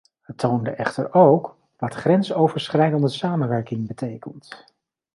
Het toonde echter ook wat grensoverschrijdende samenwerking betekent.